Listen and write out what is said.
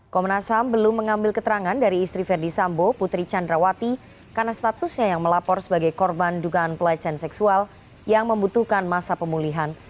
komnas ham belum mengambil keterangan dari istri verdi sambo putri candrawati karena statusnya yang melapor sebagai korban dugaan pelecehan seksual yang membutuhkan masa pemulihan